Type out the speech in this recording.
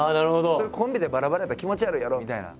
それコンビでバラバラやったら気持ち悪いやろみたいな。